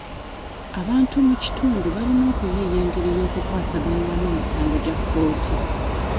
Abantu mu kitundu balina okuyiiya engeri y'okukwasaganyamu emisango gya kkooti.